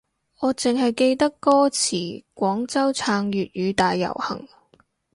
我淨係記得歌詞廣州撐粵語大遊行